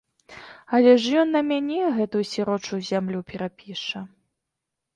Але ж ён на мяне гэтую сірочую зямлю перапіша.